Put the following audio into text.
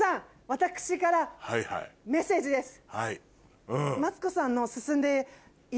私からメッセージです。